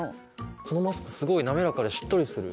このマスクすごい滑らかでしっとりする。